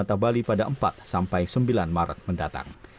kota bali pada empat sampai sembilan maret mendatang